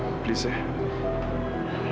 jangan julie tolong ya